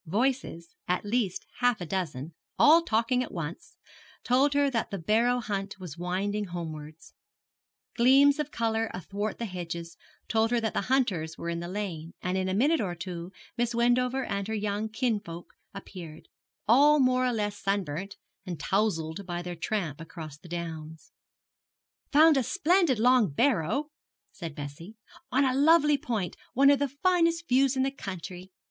Voices, at least half a dozen, all talking at once, told her that the barrow hunt was winding homewards; gleams of colour athwart the hedges told her that the hunters were in the lane; and in a minute or two Miss Wendover and her young kins folk appeared, all more or less sunburnt and towzled by their tramp across the downs. 'Found a splendid long barrow,' said Bessie, 'on a lovely point, one of the finest views in the county.